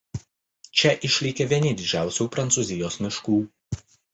Čia išlikę vieni didžiausių Prancūzijos miškų.